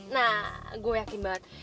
nah gue yakin banget